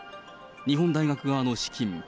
日本大学側の資金